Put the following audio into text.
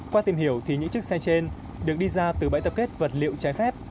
qua tìm hiểu thì những chiếc xe trên được đi ra từ bãi tập kết vật liệu trái phép